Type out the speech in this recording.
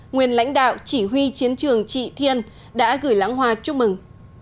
nguyên lãnh đạo chỉ huy chiến trường trị thiên đã gửi lãng hoa chúc mừng